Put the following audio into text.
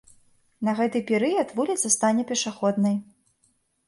На гэты перыяд вуліца стане пешаходнай.